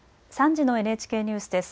３時のＮＨＫニュースです。